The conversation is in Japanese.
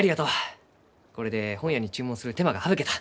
これで本屋に注文する手間が省けた。